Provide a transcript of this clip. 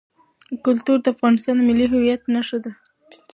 کلتور د افغانستان د ملي هویت نښه ده.